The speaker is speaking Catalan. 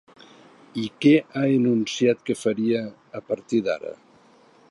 I què ha enunciat que faria, a partir d'ara?